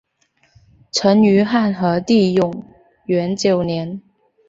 曾于汉和帝永元九年。